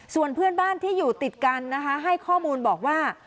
ส่วนเพื่อนบ้านที่อยู่ติดกันนะคะให้ข้อมูลบอกว่า